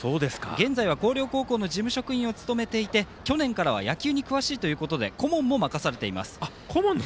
現在は広陵高校の事務職員を務めていて去年からは野球に詳しいということで顧問も任されています。